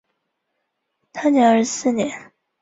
沅江澧水